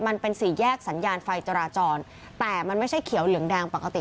มันเป็นสี่แยกสัญญาณไฟจราจรแต่มันไม่ใช่เขียวเหลืองแดงปกติ